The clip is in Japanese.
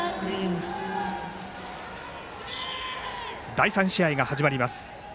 第３試合が始まります。